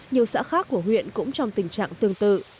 nhiều xã khác của huyện cũng trong tình trạng tương tự